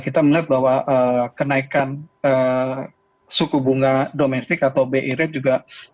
kita melihat bahwa kenaikan suku bunga domestik atau bi rate juga seperti ini tidak akan menaik